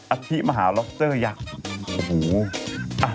อัธิมหาล็อคเตอร์ยักษ์